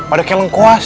ada kayak lengkuas